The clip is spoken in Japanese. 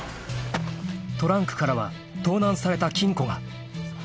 ［トランクからは盗難された金庫が］